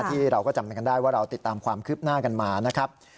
ที่เราก็จำกันได้ว่าเราติดตามความคืบหน้ากันมานะครับ